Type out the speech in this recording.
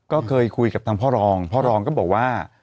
ก็เคยคุยกับทางพ่อรองพ่อรองก็บอกว่า